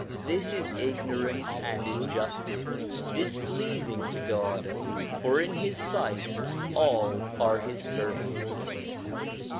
This is ignorance and injustice, displeasing to God, for in his sight all are his servants.